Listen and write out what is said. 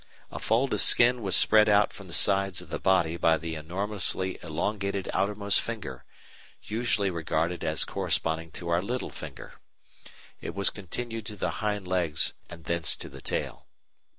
A fold of skin was spread out from the sides of the body by the enormously elongated outermost finger (usually regarded as corresponding to our little finger); it was continued to the hind legs and thence to the tail.